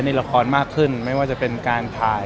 ในละครมากขึ้นไม่ว่าจะเป็นการถ่าย